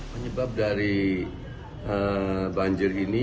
penyebab dari banjir ini